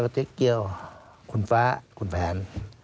เจ๊เกียวคุณฟ้าคุณแผน